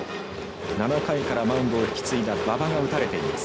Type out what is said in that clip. ７回からマウンドを引き継いだ馬場が打たれています。